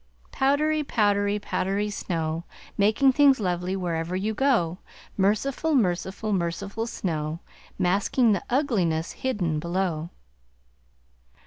Powdery, powdery, powdery snow, Making things lovely wherever you go! Merciful, merciful, merciful snow, Masking the ugliness hidden below.